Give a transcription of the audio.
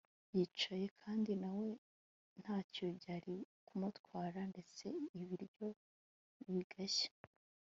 yiyicariye kandi na we ntacyo byari kumutwara, ndetse ibiryo bigashya